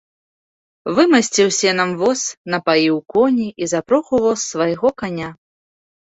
Вымасціў сенам воз, напаіў коні і запрог у воз свайго каня.